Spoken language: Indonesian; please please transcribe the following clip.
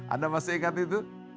anda masih ingat itu